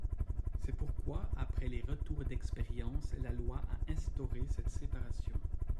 C’est pourquoi, après les retours d’expérience, la loi a instauré cette séparation.